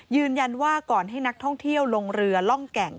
ยืนยันว่าก่อนให้นักท่องเที่ยวลงเรือล่องแก่ง